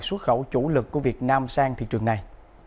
xuất khẩu chủ lực của việt nam sang thị trường này